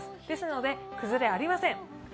ですので、崩れありません。